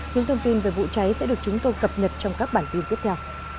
những thông tin về vụ cháy sẽ được chúng tôi cập nhật trong các bản tin tiếp theo